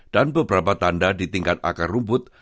dan beberapa tanda di tingkat akar rumput